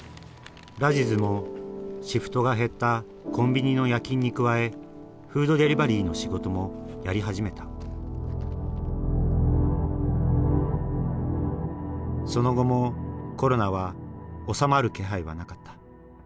ラジズもシフトが減ったコンビニの夜勤に加えフードデリバリーの仕事もやり始めたその後もコロナは収まる気配はなかった。